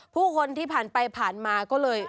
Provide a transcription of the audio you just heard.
ผู้คนที่ผ่านไปผ่านมาก็เลย